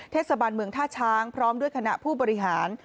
เทศบาลเมืองท่าช้างพร้อมด้วยคณะผู้บริหาร